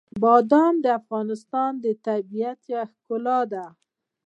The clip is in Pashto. بادام د افغانستان د طبیعت د ښکلا برخه ده.